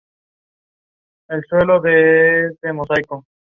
Las espigas pueden ser geminadas o solitarias, y tienen forma de cono.